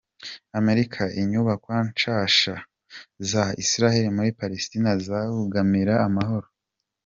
Amerika: Inyubakwa nshasha za Israel muri Palestine zobangamira amahoro.